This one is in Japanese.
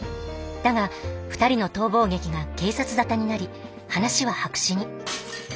だが２人の逃亡劇が警察沙汰になり話は白紙に。